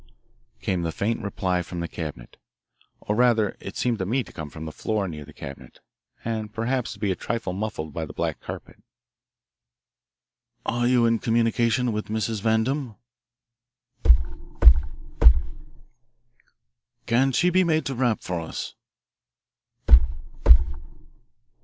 Rap! rap! rap! came the faint reply from the cabinet. Or rather it seemed to me to come from the floor near the cabinet, and perhaps to be a trifle muffled by the black carpet. "Are you in communication with Mrs. Vandam?" Rap! rap! rap! "Can she be made to rap for us?"